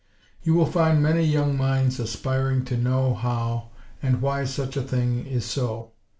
You will find many young minds aspiring to know how, and WHY such a thing is so.